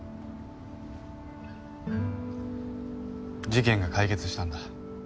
事件が解決したんだ。